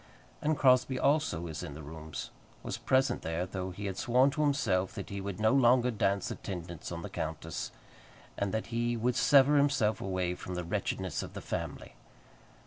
And Crosbie, also, was in the rooms, was present there, though he had sworn to himself that he would no longer dance attendance on the countess, and that he would sever himself away from the wretchedness of the family.